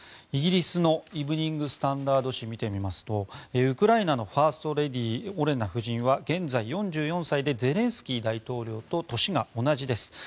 イギリスのイブニング・スタンダード紙を見てみますとウクライナのファーストレディーオレナ夫人は現在、４４歳でゼレンスキー大統領と年が同じです。